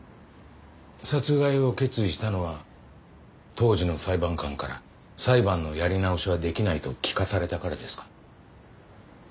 殺害を決意したのは当時の裁判官から裁判のやり直しはできないと聞かされたからですか？